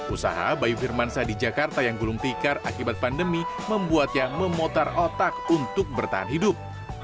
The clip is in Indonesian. usaha bayu firmansa di jakarta yang gulung tikar akibat pandemi membuatnya memutar otak untuk bertahan hidup